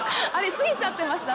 過ぎちゃってました？